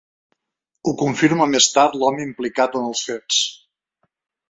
Ho confirma més tard l’home implicat en els fets.